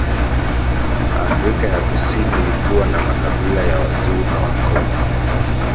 Afrika ya Kusini ilikuwa na makabila ya Wazulu na Wangoni